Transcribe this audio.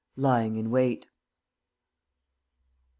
LYING IN WAIT. Mr.